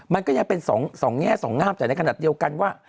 มันก็ยังเป็นสองแง่สองงามแต่ในขณะเดียวกันว่า